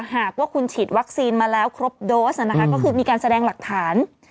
หากว่าคุณฉีดวัคซีนมาแล้วครบโดสก็คือมีการแสดงหลักฐาน